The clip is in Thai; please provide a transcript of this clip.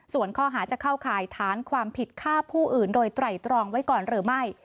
ส่วนข้อหาจะเข้าข่ายฐานความผิดฆ่าผู้อื่นโดยไตรตรองไว้ก่อนหรือไม่